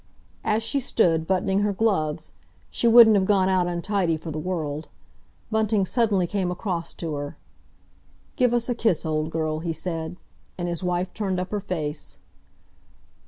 As she stood, buttoning her gloves—she wouldn't have gone out untidy for the world—Bunting suddenly came across to her. "Give us a kiss, old girl," he said. And his wife turned up her face.